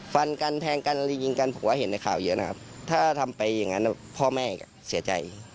ฟันกันแทงกันยิงกันผัวเห็นในข่าวเยอะนะครับถ้าทำไปอย่างนั้นพ่อแม่เสียใจ